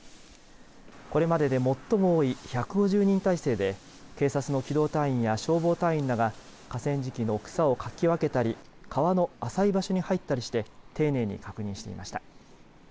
これまでで最も多い１５０人態勢で警察の機動隊員や消防隊員らが河川敷の草をかき分けたり川の浅い場所に入ったりして丁寧に確認していました。